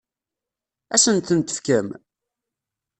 Ad asen-ten-tefkem?